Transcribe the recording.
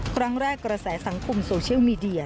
ครั้งแรกกระแสสังคมโซเชียลมีเดีย